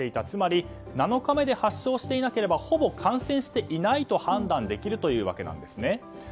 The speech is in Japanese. つまり、７日目で発症していなければほぼ感染していないと判断できるというわけなんですね。